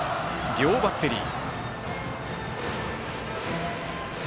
両バッテリー。